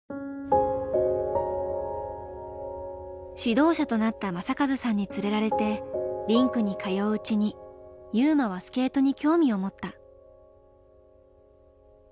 指導者となった正和さんに連れられてリンクに通ううちに優真はスケートに興味を持った。